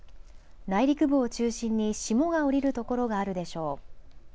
内陸部を中心に霜が降りるところがあるでしょう。